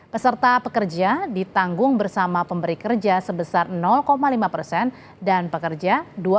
peserta pekerja ditanggung bersama pemberi kerja sebesar lima persen dan pekerja